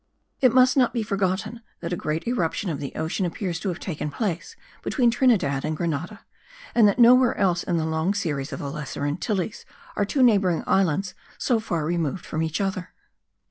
It must not be forgotten that a great irruption of the ocean appears to have taken place between Trinidad and Grenada,* and that no where else in the long series of the Lesser Antilles are two neighbouring islands so far removed from each other.